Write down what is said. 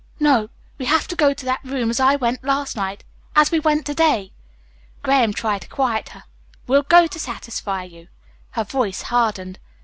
"No. We have to go to that room as I went last night, as we went to day." Graham tried to quiet her. "We'll go to satisfy you." Her voice hardened.